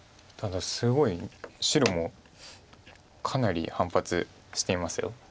ただすごい白もかなり反発しています。